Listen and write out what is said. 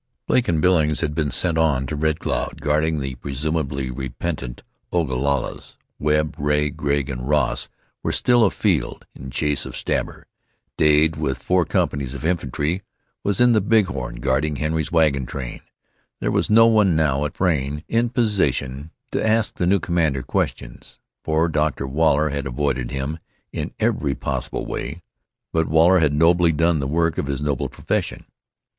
Blake and Billings had been sent on to Red Cloud, guarding the presumably repentant Ogalallas. Webb, Ray, Gregg and Ross were still afield, in chase of Stabber. Dade, with four companies of infantry, was in the Big Horn guarding Henry's wagon train. There was no one now at Frayne in position to ask the new commander questions, for Dr. Waller had avoided him in every possible way, but Waller had nobly done the work of his noble profession.